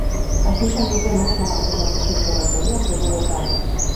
A Xunta anuncia novos avances no proxecto da autovía entre Lugo e Sarria.